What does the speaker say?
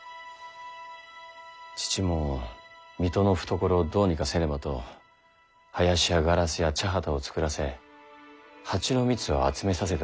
父も水戸の懐をどうにかせねばと林やガラスや茶畑を作らせ蜂の蜜を集めさせておった。